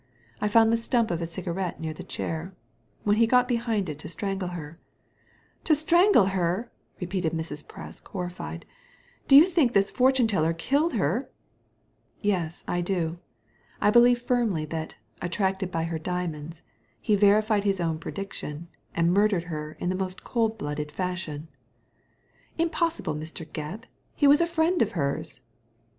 I found the stump of a cigarette near the chain When he got behind it to strangle her^ "" To strangle her 1 " repeated Mrs. Presk, horrified ''Do you think this fortune teller killed her?" "Yes, I do. I believe firmly that, attracted by her diamonds, he verified his own prediction, and murdered her in the most cold blooded fashion." ''Impossible, Mr. Gebb. He was a friend of hers!"